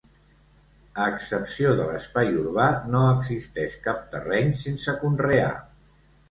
A excepció de l'espai urbà, no existeix cap terreny sense conrear.